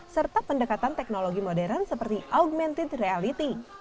serta pendekatan teknologi modern seperti augmented reality